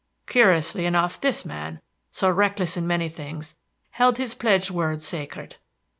Curiously enough, this man, so reckless in many things, held his pledged word sacred.